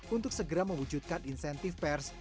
untuk segera mewujudkan insentif pers